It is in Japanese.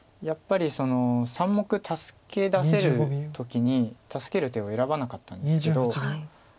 やっぱり３目助け出せる時に助ける手を選ばなかったんですけど。